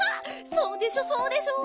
そうでしょそうでしょ？